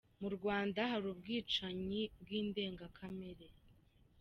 Murwanda hari ubwicanyi bw’indengakamere.